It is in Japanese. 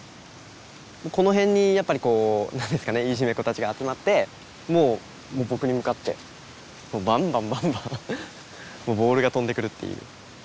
この辺にやっぱりこう何ですかねいじめっ子たちが集まってもう僕に向かってバンバンバンバンもうボールが飛んでくるっていう。